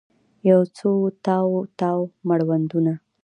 یوڅو تاو، تاو مړوندونه